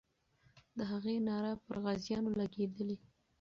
د هغې ناره پر غازیانو لګېدلې.